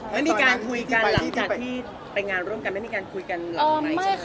ไม่มีการคุยกันหลังจากที่ไปงานร่วมกันไม่มีการคุยกันหลังไหนใช่ไหมค